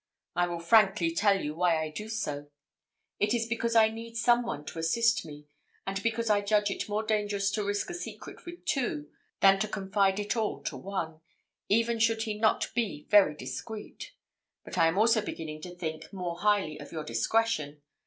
I will frankly tell you why I do so it is because I need some one to assist me; and because I judge it more dangerous to risk a secret with two, than to confide it all to one, even should he not be very discreet. But I am also beginning to think more highly of your discretion.